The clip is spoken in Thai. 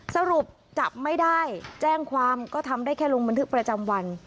สรุปจับไม่ได้แจ้งความก็ทำได้แค่ลงบันทึกประจำวัน